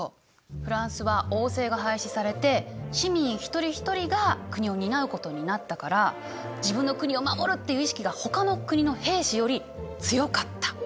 フランスは王政が廃止されて市民一人一人が国を担うことになったから自分の国を守るっていう意識がほかの国の兵士より強かった。